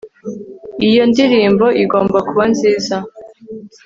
iyo ndirimbo igomba kuba nziza